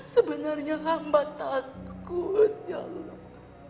sebenarnya ngambat takut ya allah